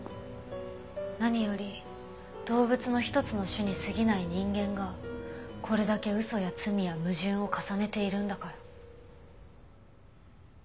何より動物の一つの種に過ぎない人間がこれだけ嘘や罪や矛盾を重ねているんだから。